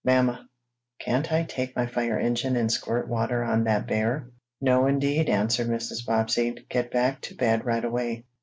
Mamma, can't I take my fire engine and squirt water on that bear?" "No, indeed!" answered Mrs. Bobbsey. "Get back to bed right away."